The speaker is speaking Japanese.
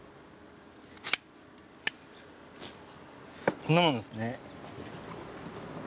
こんなもんですね。